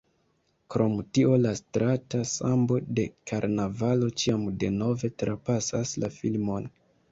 Krom tio la strata sambo de karnavalo ĉiam denove trapasas la filmon.